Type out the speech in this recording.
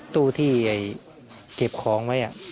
ตู้ที่เก็บของไว้